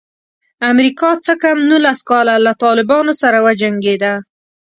امریکا څه کم نولس کاله له طالبانو سره وجنګېده.